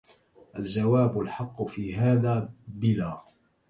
الجواب الحق في هذا بلا